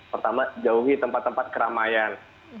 pertama jauhi tempat tempat keramaian